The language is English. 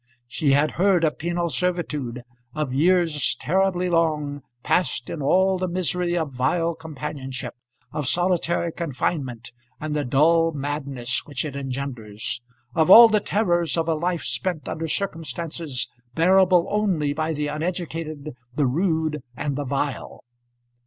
She had heard of penal servitude, of years, terribly long, passed in all the misery of vile companionship; of solitary confinement, and the dull madness which it engenders; of all the terrors of a life spent under circumstances bearable only by the uneducated, the rude, and the vile.